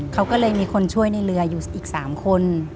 เขาก็เลยมีคนช่วยในเรืออยู่อีก๓คน